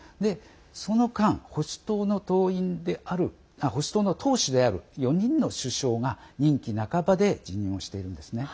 その間、保守党の党首である４人の首相が任期半ばで辞任をしているんですね。